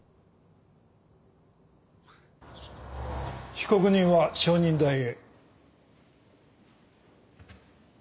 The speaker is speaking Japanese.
被告人は証人台へ。